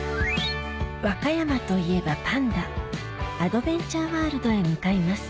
和歌山といえばパンダアドベンチャーワールドへ向かいます